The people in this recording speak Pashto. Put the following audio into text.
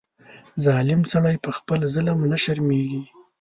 ظالم سړی په خپل ظلم نه شرمېږي.